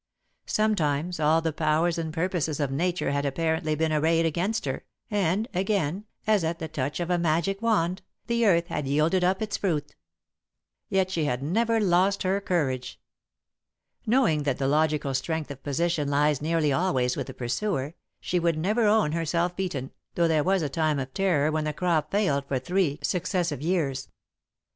Sometimes all the powers and purposes of Nature had apparently been arrayed against her, and, again, as at the touch of a magic wand, the earth had yielded up its fruit. Yet she had never lost her courage. Knowing that the logical strength of position lies nearly always with the pursuer, she would never own herself beaten, though there was a time of terror when the crop failed for three successive years.